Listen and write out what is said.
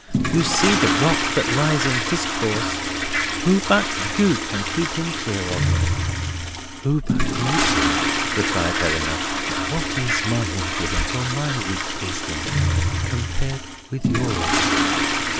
You see the rock that lies in his course. Who but you can keep him clear of it?" "Who but you, sir?" replied Helena. "What is my influence, or my weak wisdom, compared with yours!"